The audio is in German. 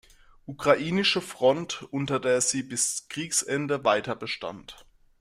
Ukrainische Front unter der sie bis Kriegsende weiter bestand.